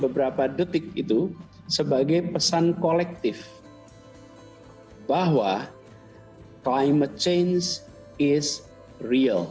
beberapa detik itu sebagai pesan kolektif bahwa climate change is real